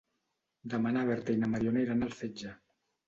Demà na Berta i na Mariona iran al metge.